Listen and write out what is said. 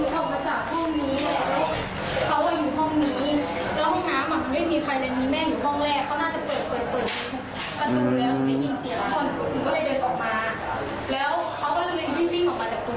เขากดหนูแต่หนูไม่ล้มเขามาจัดหนูแล้วก็ปิดฝั่งหนู